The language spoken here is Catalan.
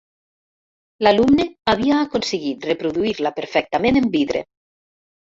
L'alumne havia aconseguit reproduir-la perfectament en vidre.